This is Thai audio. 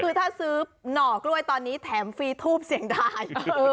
คือถ้าซื้อหน่อกล้วยตอนนี้แถมฟรีทูปเสียงทาย